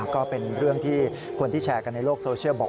ก็เป็นเรื่องที่คนที่แชร์กันในโลกโซเชียลบอก